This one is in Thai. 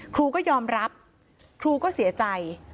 ครูก็ยอมรับครูก็เสียใจ